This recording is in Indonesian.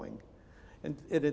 dan itu di mana mana